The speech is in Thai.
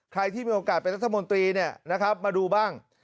ใครที่มีโอกาสเป็นระธรรมดีเนี่ยมาดูบ้าง